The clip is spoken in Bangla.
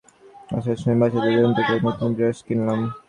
আসার সময়, বাচ্চাদের জন্য দুইটা নতুন ব্রাশ কিনলাম।